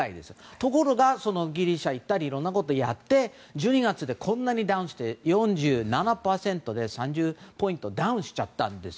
ところが、ギリシャに行ったりいろんなことをやって１２月は４７％と３０ポイントダウンしちゃったんです。